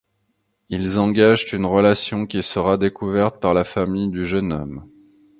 Ils engagent une relation qui sera découverte par la famille du jeune homme.